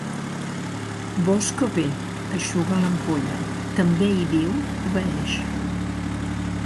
Bosco ve, eixuga l'ampolla» també hi diu obeeix.